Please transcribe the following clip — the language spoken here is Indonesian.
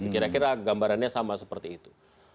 kira kira gambarannya sama seperti itu